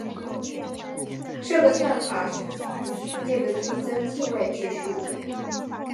这个算法是基于序列的递增进位制数。